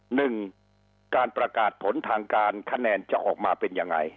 หนึ่งการประกาศผลทางการคะแนนจะออกมาเป็นยังไง